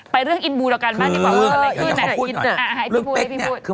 ไปเรื่องอินบูลละกันบ้างดีกว่าอินบูลได้พูด